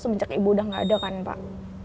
semenjak ibu udah gak ada kan pak